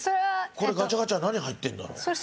これガチャガチャ何入ってるんだろう？